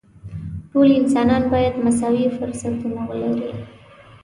ټول انسانان باید مساوي فرصتونه ولري.